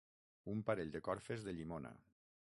Un parell de corfes de llimona.